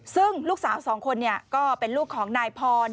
ซึ่งลูกสาวสองคนก็เป็นลูกของนายพร